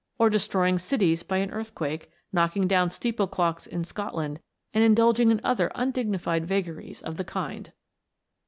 or destroy ing cities by an earthquake, knocking down steeple clocks in Scotland, and indulging in other undignified vagaries of the kind